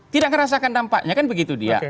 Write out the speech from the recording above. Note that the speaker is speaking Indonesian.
tidak merasakan dampaknya kan begitu dia